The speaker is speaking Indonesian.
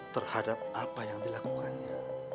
terhadap apa yang dilakukannya